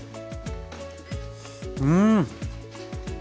うん！